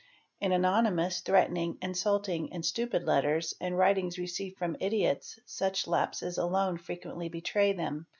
'"8 In anonymous, threatening, insulting, and stupid letters and writings received from idiots such lapses alone frequently betray them.